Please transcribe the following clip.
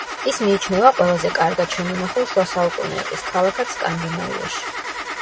ის მიიჩნევა ყველაზე კარგად შემონახულ შუა საუკუნეების ქალაქად სკანდინავიაში.